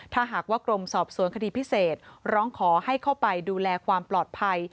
ถ้าหากว่ากรมสอบสวนคดีพิเศษร้องขอให้เข้าไปดูแลความปลอดภัย